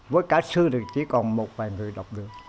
với cả sư thì chỉ còn một vài người đọc được